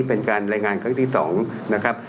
เป็นการรายงานครั้งที่๒นะครับ